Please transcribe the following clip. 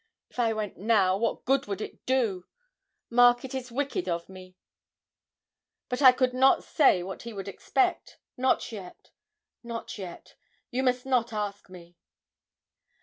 If I went now, what good would it do? Mark; it is wicked of me, but I could not say what he would expect not yet, not yet you must not ask me.'